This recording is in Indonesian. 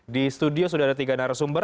di studio sudah ada tiga narasumber